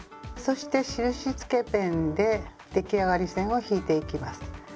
そして印つけペンで出来上がり線を引いていきます。